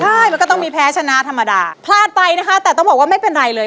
ใช่มันก็ต้องมีแพ้ชนะธรรมดาพลาดไปนะคะแต่ต้องบอกว่าไม่เป็นไรเลย